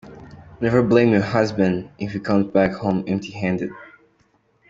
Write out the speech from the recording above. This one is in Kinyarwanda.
Never blame your husband if he comes back home empty handed.